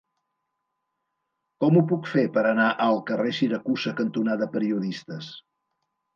Com ho puc fer per anar al carrer Siracusa cantonada Periodistes?